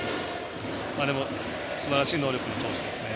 すばらしい能力の投手ですね。